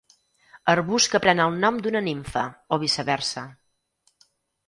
Arbust que pren el nom d'una nimfa, o viceversa.